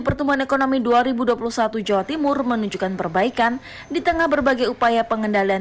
pertumbuhan ekonomi dua ribu dua puluh satu jawa timur menunjukkan perbaikan di tengah berbagai upaya pengendalian